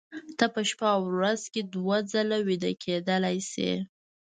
ته په شپه ورځ کې دوه ځله ویده کېدلی شې